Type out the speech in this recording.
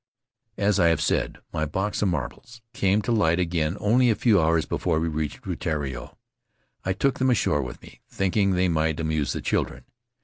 As I have said, my box of marbles came to light again only a few hours before we reached Rutiaro. I took them ashore with me, thinking they might amuse the children.